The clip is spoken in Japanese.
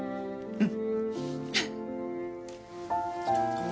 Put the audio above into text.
うん。